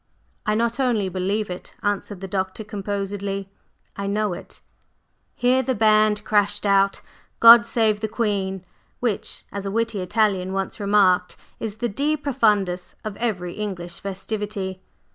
"I not only believe it," answered the Doctor composedly, "I know it!" Here the band crashed out "God save the Queen," which, as a witty Italian once remarked, is the De Profundis of every English festivity.